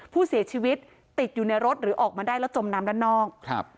ผู้เสียชีวิตติดอยู่ในรถหรือออกมาได้แล้วจมน้ำด้านนอกครับ